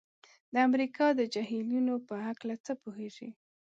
د امریکا د جهیلونو په هلکه څه پوهیږئ؟